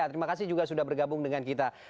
terima kasih juga sudah bergabung dengan kita